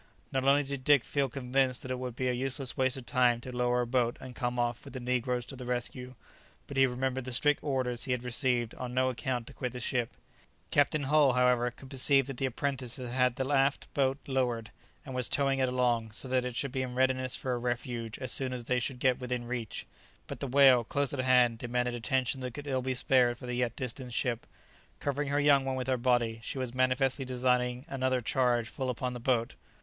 Not only did Dick feel convinced that it would be a useless waste of time to lower a boat and come off with the negroes to the rescue, but he remembered the strict orders he had received on no account to quit the ship. Captain Hull, however, could perceive that the apprentice had had the aft boat lowered, and was towing it along, so that it should be in readiness for a refuge as soon as they should get within reach. [Illustration: The boat was well nigh full of water, and in imminent danger of being capsized] But the whale, close at hand, demanded attention that could ill be spared for the yet distant ship. Covering her young one with her body, she was manifestly designing another charge full upon the boat.